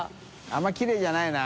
△鵑泙きれいじゃないな。